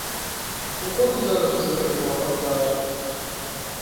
Com quantos anos você terminou a faculdade?